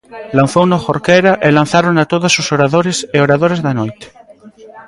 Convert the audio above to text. Lanzouno Jorquera e lanzárona todos os oradores e oradoras da noite.